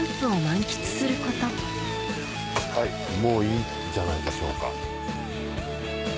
もういいんじゃないでしょうか。